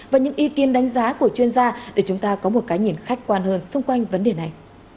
và những ý kiến đánh giá của chuyên gia để chúng ta có một cái nhìn khách quan hơn xung quanh vấn đề này